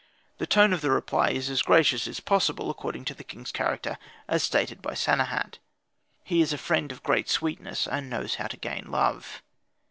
The tone of the reply is as gracious as possible, according with the king's character as stated by Sanehat, "He is a friend of great sweetness, and knows how to gain love."